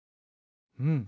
うん。